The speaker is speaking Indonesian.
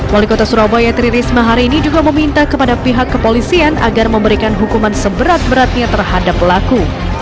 wali kota surabaya tri risma hari ini juga meminta kepada pihak kepolisian agar memberikan hukuman seberat beratnya terhadap pelaku